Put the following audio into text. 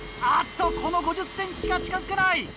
あっとこの５０ｃｍが近づけない。